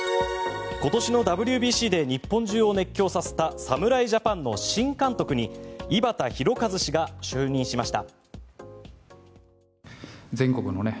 今年のＷＢＣで日本中を熱狂させた侍ジャパンの新監督に井端弘和氏が就任しました。